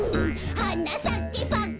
「はなさけパッカン」